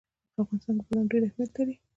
په افغانستان کې بادام ډېر اهمیت لري.